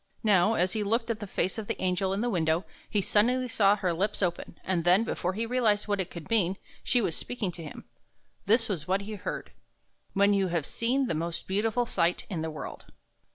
Now, as he looked at the face of the angel in the window, he suddenly saw her lips open; and then, before he realized what it could mean, she was speaking to him. This was what he heard: " When you have seen the most beautiful sight in the world."